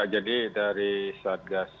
jadi dari satgas